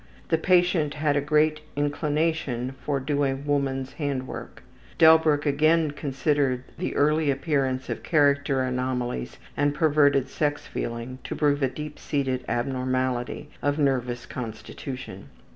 The patient had a great inclination for doing woman's handwork. Delbruck again considered the early appearance of character anomalies and perverted sex feeling to prove a deep seated abnormality of nervous constitution.